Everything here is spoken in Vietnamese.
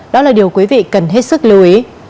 đó là điều quý vị cần hết sức lưu ý